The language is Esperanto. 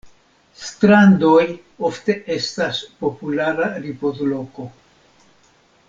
Strandoj ofte estas populara ripozloko.